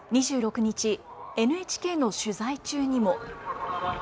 ２６日、ＮＨＫの取材中にも。